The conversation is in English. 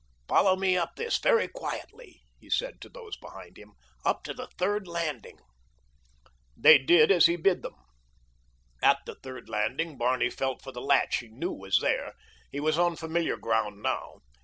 "Follow me up this, very quietly," he said to those behind him. "Up to the third landing." They did as he bid them. At the third landing Barney felt for the latch he knew was there—he was on familiar ground now.